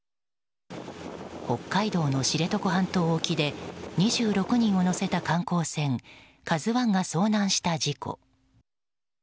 北海道の知床半島沖で２６人を乗せた観光船「ＫＡＺＵ１」が遭難した事故。